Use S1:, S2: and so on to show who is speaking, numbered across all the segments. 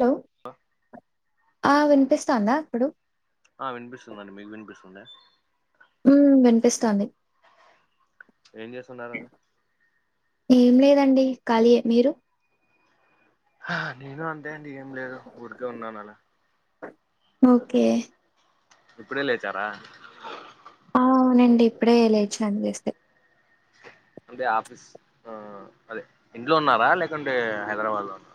S1: Hello ఆ వినిపిస్తాందా ఇప్పుడు
S2: ఆ వినిపిస్తుందండి మీకు వినిపిస్తుంద
S1: ఉమ్మ్ వినిపిస్తోంది
S2: ఏం చేస్తున్నారండి
S1: ఏం లేదండి ఖాళీఏ మీరు
S2: హా నేను అంతే అండి ఏం లేదు ఊరికే ఉన్నాను అలా
S1: ఓకే
S2: ఇప్పుడే లేచారా
S1: ఆ! అవునండి ఇప్పుడే లేచాను జస్ట్
S2: అంటే ఆఫీస్ ఆ అదే ఇంట్లో ఉన్నారా లేకుంటే హైదరాబాద్ లో ఉన్నరా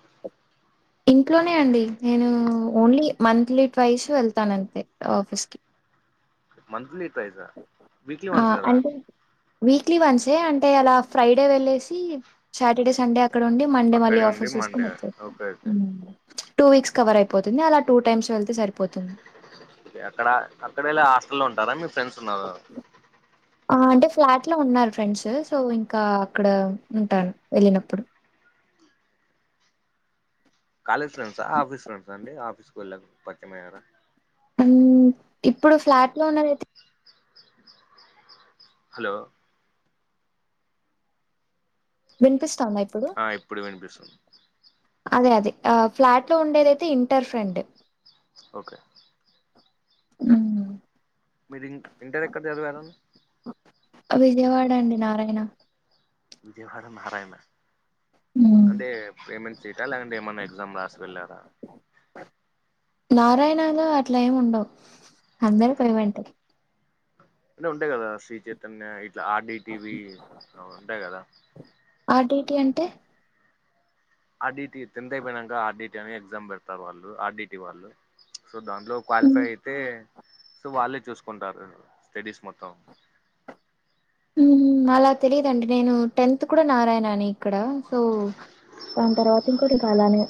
S1: ఇంట్లోనే అండి నేను ఓన్లీ మంత్లీ ట్వైస్ వెళ్తాను అంతే ఆఫీస్ కి
S2: మంత్లీ ట్వైస్ వీక్లీ
S1: ఆ
S2: వన్స్ కదా
S1: అంటే వీక్లీ వన్సే అంటే అలా ఫ్రైడే వెళ్ళేసి సాటర్డే సండే అక్కడ ఉండి మండే మళ్ళీ
S2: అక్కడే ఉండి
S1: ఆఫీస్ చూసుకుని
S2: మండే
S1: వచ్చేది
S2: okay okay
S1: um two weeks cover అయిపోతుంది అలా టూ టైమ్స్ వెళ్తే సరిపోతుంది
S2: ఎక్కడ అక్కడ వెళ్ళి హాస్టలో ఉంటారా మీ ఫ్రెండ్స్ ఉన్నారా
S1: ఆ అంటే ఫ్లాట్ లో ఉన్నారు ఫ్రెండ్స్ సో ఇంకా అక్కడ ఉంటాను వెళ్ళినప్పుడు
S2: కాలేజ్ ఫ్రెండ్సా ఆఫీస్ ఫ్రెండ్సా అండి ఆఫీసు వెళ్ళక పరిచయం అయ్యారా
S1: ఉమ్ ఇప్పుడు ఫ్లాట్ లో ఉన్నదయితే
S2: హలో
S1: వినిపిస్తందా ఇప్పుడు
S2: ఆ ఇప్పుడు వినిపిస్తుంది
S1: అదే అదే ఆ ఫ్లాట్ లో ఉండేదైతే ఇంటర్ ఫ్రెండ్
S2: ఓకే
S1: ఉమ్మ్
S2: మీరు ఇ ఇంటర్ ఎక్కడ చదివారు
S1: విజయవాడ అండి నారాయణ
S2: విజయవాడ నారాయణ
S1: హ్మ్.
S2: అంటే ఏమెంట్ సీట్ ఆ లేకంటే ఏమైన్నా ఎగ్జామ్ రాసి వెళ్ళారా
S1: నారాయణలో అట్లా ఏమి ఉండవు అందరు పేమెంటే
S2: అంటే ఉంటాయి కదా శ్రీ చైతన్య ఇట్లా ఆర్డీటివి ఉంటాయి కదా
S1: ఆర్ డి టీ అంటే
S2: ఆర్డటి టెన్త్ అయిపోయినక ఆర్డటి అని ఎగ్జామ్ పెడతారు వాళ్ళు ఆర్డీటి వాళ్ళు సో దాంట్లో
S1: హ్మ్.
S2: క్వాలిఫై అయితే సో వాళ్ళే చూసుకుంటారు స్టడీస్ మొత్తం
S1: ఉమ్ అలా తెలీదండి నేను టెన్త్ కూడా నారాయణ నే ఇక్కడ సో దాని తర్వాత ఇంకోటిక అలానే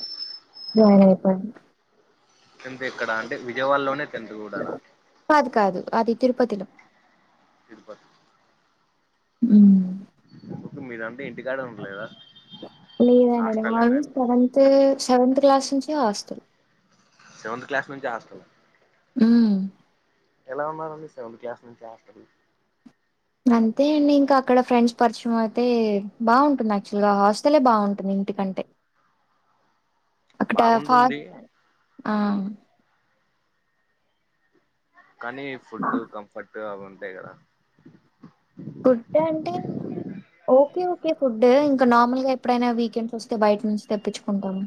S1: జాయిన్ అయిపోయాను
S2: టెన్త్ ఎక్కడా అంటే విజయవాడలోనే టెన్త్ కూడానా
S1: కాదు కాదు అది తిరుపతిలో.
S2: తరుపత్
S1: ఊ
S2: మీదంటే ఇంటికాడ ఉండలేదా హాస్టలేనా ఎప్పుడు
S1: తే సెవెంత్ క్లాస్ నుంచి హాస్టల్
S2: సెవెంత్ క్లాస్ నుంచి హాస్టలా
S1: మూ
S2: ఎలా ఉన్నారండి సెవెంత్ క్లాస్ నుంచి హాస్టల్లో
S1: అంతే అండి ఇంకా అక్కడ ఫ్రెండ్స్ పరిచయం అవుతే బాగుంటుంది యాక్చువల్ గా హాస్టలే బాగుంటుంది. టికంటే అక్కడా ఫాగ్
S2: బాగుంటుంది
S1: ఆ
S2: ఓకే, కానీ ఫుడ్డు కంఫర్టు అవి ఉంటాయి కదా
S1: ఫుడ్ అంటే ఓకే ఓకే ఫుడ్డు ఇంక నార్మల్గా ఎప్పుడైనా వీకెండ్స్ వస్ తె బయట నుంచి తెప్పిచ్చుకుంటాము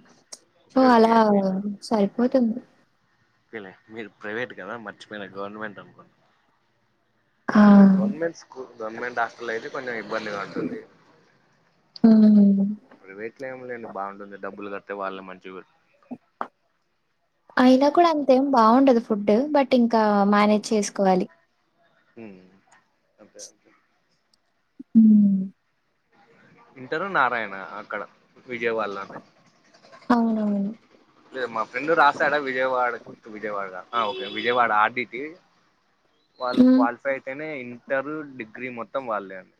S1: సో
S2: ఓకే ఓకే
S1: అలా
S2: మీరు
S1: సరిపోతుంది.
S2: ఫిలే మీరు ప్రైవేట్ కదా మర్చిపోయినా గవర్నమెంట్ అనుకున్న
S1: ఆ!
S2: గవర్నమెంట్ స్కూల్ గవర్నమెంట్ హాస్టల్లో అయితే తోని ఇబ్బంది గా ఉంటుంది
S1: హ్మ్.
S2: ప్రవేట్ లో ఏం లేండి బాంటుంది డబ్బులు కడితే వాళ్లే మంచిగ పెడ్
S1: అయినా కూడా అంతేం బాగుండదు ఫుడ్డు బట్ ఇంకా మానేజ్ చేసుకోవాలి
S2: మ్ అదే అదే
S1: ఊ
S2: ఇంటరూ నారాయణ అక్కడ విజయవాడ లోనే
S1: అవునవును.
S2: లేదు మా ఫ్రెండ్ రాసాడా విజయవాడ టు విజయవాడ ఆ ఓకే విజయవాడ ఆర్డీటి వాళ్ళు
S1: హ్మ్.
S2: క్వాలిఫై అయితేనే ఇంటరు డిగ్రీ మొత్తం వాళ్ళే అండి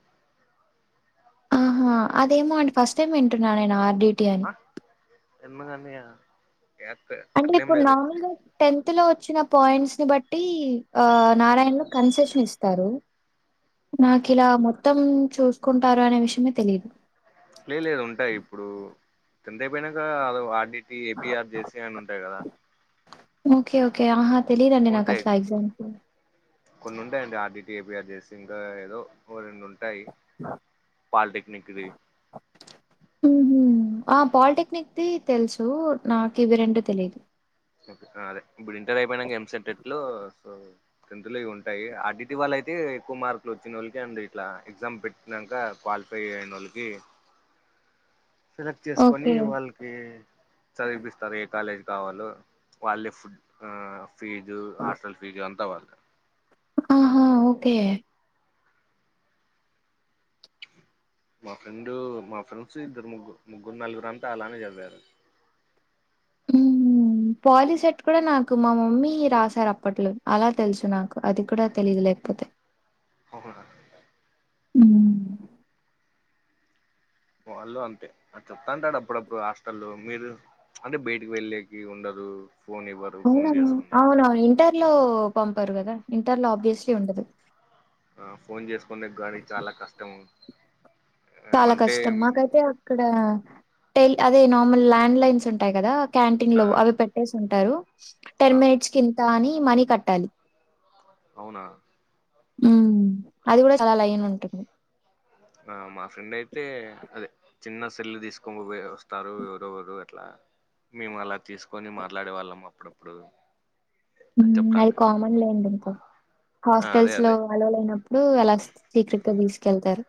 S1: ఆ అదేమో అండి ఫస్ట్ టైమ్ వింటున్నా నేను ఆర్డీటీ అని
S2: ఆ ఎందుకండీ క్యా క్కో
S1: అంటే నాక్ కొన్ని నార్మల్ గా టెన్త్ లో వచ్చిన పాయింట్స్ ని బట్టీ ఆ నారాయణ లో కన్సెషన్ ఇస్తారు నాకు ఇలా మొత్తమ్ చూసుకుంటారు అనే విషయమే తెలీదు.
S2: లే లేదు ఉంటాయి ఇప్పుడూ టెన్త్ అయిపోయినంకా ఆర్డీటీ ఏపీఆర్ జేసీ అని ఉంటాయి కదా
S1: ఓకే ఓకే ఆహా తెలీదండి నాకు
S2: ఉంటాయి
S1: అసలా ఆ ఎగ్జామ్సు
S2: కొన్ని ఉంటాయండి ఆర్డీటి ఏపిఆర్ జేసి ఇంకా ఏదో ఓ రెండు ఉంటాయి పాల్టెక్నిక్ దీ
S1: [inaudible] ఊహు ఆ పాల్టెక్నిక్ దీ తెలుసూ నాకు ఇవి రెండు తెలీదు
S2: ఆ అదే ఇప్పుడు ఇంటర్ అయిపోయినంక ఎంసెట్ ఎట్లో సో టెన్త్ లో ఇవి ఉంటాయి ఆర్డిటి వాళ్ళయితే ఎక్కువ మార్కులు వచ్చిన వాళ్ళకే అండీ ఇట్లా ఎగ్జామ్ పెట్ నంకా క్వాలిఫై అయినోళ్ళకీ సెలెక్ట్ చేసుకొనీ
S1: ఓకే.
S2: వాళ్ళక్ కీ చదివిపిస్తారు ఏ కాలేజ్ కావాలో వాల్లే ఫుడ్ ఆ ఫీజు హాస్టల్ ఫీజు అంతా వాళ్ళదే
S1: ఆహా ఓకే
S2: మా ఫ్రెండూ మా ఫ్రెండ్సు ఇద్దరు ముగ్గురు ముగ్గురు నలుగురు అంతా అలానే చదివారు.
S1: ఊ పాలీ సెట్ కూడా నా నాకు మా మమ్మీ రాశారు అప్పట్లో అలా తెలుసు నాకు అది కూడా తెలీదు లేకపోతే
S2: ఒకే నండి
S1: హ్మ్.
S2: వాళ్ళు అంతే అట్ట చెప్తాంటాడు అప్పుడప్పుడు హాస్టల్ల్లో మీరు అంటే బయటకి వెల్లేకి ఉండదు ఫోన్ ఇవ్వరు
S1: అవునా
S2: ఫోన్
S1: అన్న
S2: చేసుకునేకి
S1: అవున ఇంటర్ లో పంపరు కదా ఇంటర్ లో ఆబ్వియస్లీ ఉండదు
S2: ఆ ఫోన్ చేసుకునే గాని చాలా కష్టం
S1: చాలా కష్టం మాకైతే అక్కడ టెల్ అదే నార్మల్ ల్యాండ్ లైన్స్ ఉంటాయి కదా క్యాంటీన్
S2: ఆ
S1: లో అవి పెట్టేసి ఉంటారు టెన్
S2: ఆ
S1: మినిట్స్ కింత అని మనీ కట్టాలి
S2: అవునా
S1: ఉ అది కూడా చాలా లైన్ ఉంటుంది
S2: ఆ మా ఫ్రెండ్ అయితే అదే చిన్న సెల్ తీసుకొని వస్తారు ఎవరెవరు అట్లా మేము అలా తీసుకొని మాట్లాడే వాళ్ళం అప్పుడప్పుడు
S1: ఉ
S2: అని
S1: అది
S2: చెప్తాండు
S1: కామన్ లేండి ఇంకా
S2: ఆ అదే
S1: హాస్టల్స్ లో
S2: అదే
S1: అలలు అయినప్పుడు అలా సీక్రెట్ గా తీసుకెళ్తారు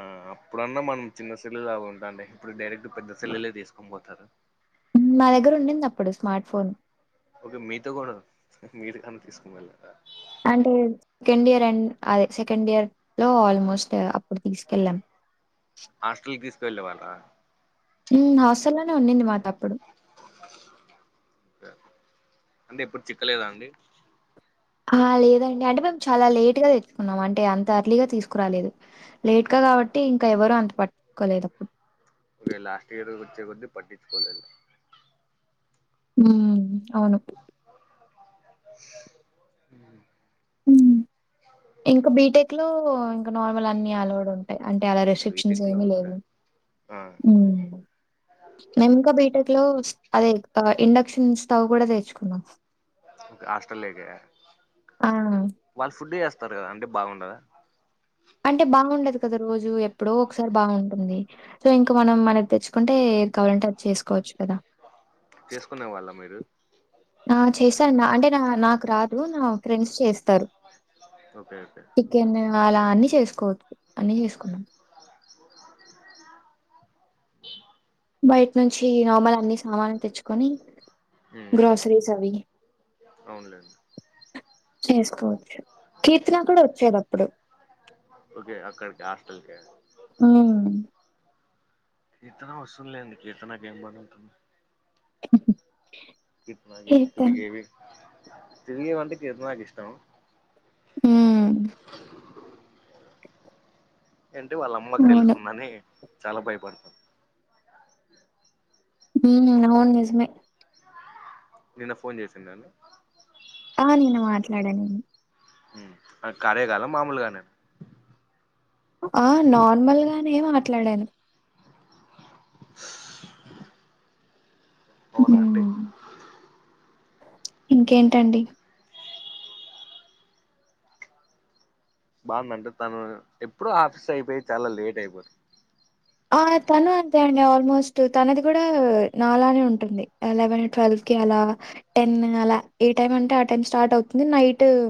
S2: ఆ అప్పుడన్నా మనం చిన్న సెల్లులాగా ఉంటా అంటే ఇప్పుడు డైరెక్ట్ పెద్ద సెల్లులు లే తీసుకొని పోతారు
S1: నా దగ్గర ఉండింది అప్పుడు స్మార్ట్ ఫోన్
S2: ఓకే మీతో కూడా మీరుగాని తీసుకుని వెళ్తా
S1: అంటే సెకండ్ ఇయర్ అండ్ అదే సెకండ్ ఇయర్ లో ఆల్మోస్ట్ అప్పుడు తీసుకెళ్ళాం
S2: హాస్టల్కి తీసుకువెళ్ళే వాళ్ళ
S1: ఉ హాస్టల్లోనే ఉన్నింది మాతొ ఆప్పుడు
S2: అంటే ఎప్పుడు చిక్కలేదా అండి
S1: ఆ లేదండి అంటే మేము చాలా లేట్ గా తెచ్చుకున్నాం అంటే అంత అర్లీగా తీసుకురాలేదు లేట్గా కాబట్టి ఇంకా ఎవరు అంత పట్టుకోలేదు అప్పుడు
S2: ఓరే లాస్ట్ ఇయర్ వచ్చే కొద్ధి పట్టించుకోలేదు
S1: హ్మ్ అవును
S2: [inaudible]
S1: ఉ ఇంకా బీటెక్ లో ఇంకా నార్మల్ అన్ని అలోడ్ ఉన్నాయి అంటే అలా రెస్ట్రిక్షన్స్
S2: బీటెక్లో
S1: ఏమి
S2: ఉంటా
S1: లేవు
S2: ఆ
S1: ఉ మేము ఇంకా బీటెక్ లో అదే ఇండక్షన్ స్టవ్ కూడా తెచ్చుకున్నాం
S2: హాస్టల్ లోకా
S1: ఆ!
S2: వాళ్ళు ఫుడ్ చేస్తారు కదా అంటే బాగుండదా
S1: అంటే బాగుండదు కదా రోజు ఎప్పుడో ఒకసారి బాగుంటుంది సో ఇంకా మనం మనకి తెచ్చుకుంటే ఏది కావాలంటే అది చేసుకోవచ్చు కదా
S2: చేసుకునే వాళ్ళ మీరు
S1: నా చేశాను అంటే నా నాకు రాదు నా ఫ్రెండ్స్ చేస్తారు
S2: ఓకే ఓకే
S1: చికెన్ అలా అన్ని చేసుకోవచ్చు అన్ని చేసుకున్నాం బయట నుంచి నమల్ అన్ని సామాన్లు తెచ్చుకొని
S2: ఉమ్, ఉమ్.
S1: గ్రోసరీస్ అవి
S2: అవునులేండి
S1: చేసుకోవచ్చు కీర్తన కూడా వచ్చేది ఆప్పుడు
S2: ఓకే అక్కడికి హాస్టల్ కా
S1: ఉ
S2: కీర్తన వస్తుంది లేండి కీర్తనకి ఏం పనీ ఉంటుంది కీర్తన ఇట్లా తిరుగేవి తిరేగేవి అంటే కీర్తనకు ఇష్టం
S1: ఊమ్
S2: ఏంటి వాళ్ళమ్మక్
S1: అవును.
S2: తెలుస్తుందని చాలా భయపడుతున్
S1: ఈ నిన్న వోన్ చేసింది
S2: నిన్న ఫోన్ చేసిందండి
S1: ఆ నిన్న మాట్లాడానని
S2: ఉమ్ అ కాలేగాలా మామూలుగానేన
S1: ఆ నార్మల్ గానే మాట్లాడాను
S2: అవునా అండి
S1: ఉఉమ్ ఇంకేంటండి
S2: బావుందంటే తను ఎప్పుడూ ఆఫీస్ అయిపోయి చాలా లేట్ అయిపోత్
S1: ఆ తను అంతే అండి ఆల్మోస్ట్ తనది కూడా నాలానే ఉంటుంది ఎలెవెన్ ట్వెల్ఫ్ కే అలా టెన్ అలా ఏ టైమ్ అంటే ఆ టైం స్టార్ట్ అవుతుంది నైటూం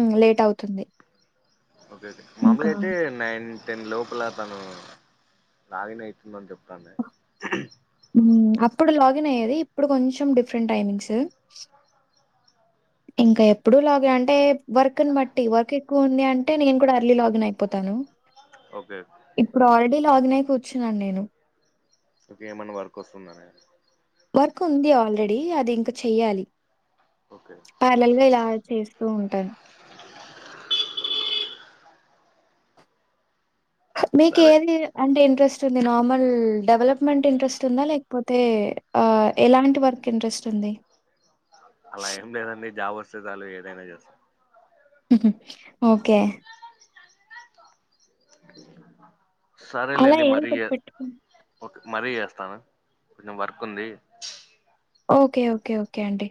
S1: ఉం లేట్ అవుతుంది
S2: ఓకే ఓకే మామూలుగా
S1: ఇంకా
S2: అయితే నైన్ టెన్ లోపల తను లాగిన్ అయితుందన్ చెప్తాండే
S1: ఉమ్మ్మ్ అప్పుడు లాగిన్ అయ్యేది ఇప్పుడు కొంచెం డిఫరెంట్ టైమింగ్స్ ఇంకా ఎప్పుడూ లాగి అంటే వర్క్ న్ బట్టి వర్క్ ఎక్కువ ఉంది అంటే నేను కూడా అర్లీ లాగిన్ అయిపోతాను
S2: ఓకేత్
S1: ఇప్పుడు ఆల్రెడీ లాగిన్ అయి కూర్చున్నాన్ నేను
S2: ఓకే ఏమైన్నా వర్క్ ఒస్తుందనా
S1: వర్క్ ఉంది ఆల్రెడీ అది ఇంక చెయ్యాలి
S2: ఓకే
S1: పార్లల్ గ ఇలా చేస్తూ ఉంటాను
S2: [inaudible] సరే
S1: మీకేందిద అంటే ఇంట్రెస్ట్ ఉంది నార్మల్ డెవలప్మెంట్ ఇంట్రెస్ట్ ఉందా లేకపోతే ఆ ఎలాంటి వర్క్ కింట్రెస్ట్ ఉంది
S2: అలా ఏం లేదండి జాబ్ ఒస్తే చాలు ఏదైనా చేస్త
S1: ఉహ్ ఓకే అలా
S2: సరేలేండి
S1: ఏదో
S2: మరీ
S1: ఒకటి
S2: యే
S1: పెట్టుకుని
S2: ఓకే మరీ చేస్తాను కొంచెం వర్క్ ఉంది
S1: ఓకే ఓకే ఓకే అండి